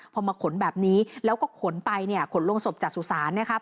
พอมาขนแบบนี้แล้วก็ขนไปเนี่ยขนลงศพจากสุสานนะครับ